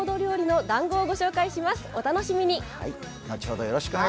お楽しみに。